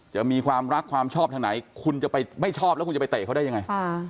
จะมีความรักความชอบทางไหนคุณจะไปไม่ชอบแล้วคุณจะไปเตะเขาได้ยังไง